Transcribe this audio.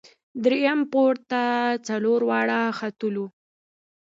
درییم پوړ ته څلور واړه ختلو.